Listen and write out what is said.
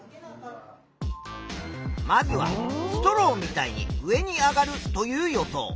まずは「ストローみたいに上に上がる」という予想。